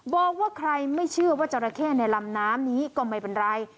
บอกว่าใครไม่เชื่อว่าจราเข้ในลำน้ำนี้ก็ไม่เป็นไร